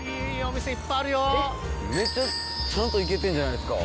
めっちゃちゃんと行けてんじゃないですか。